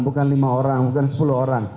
bukan lima orang bukan sepuluh orang